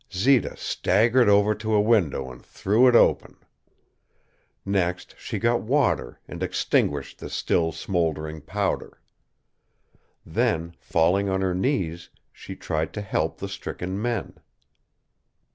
Zita staggered over to a window and threw it open. Next she got water and extinguished the still smoldering powder. Then, falling on her knees, she tried to help the stricken men.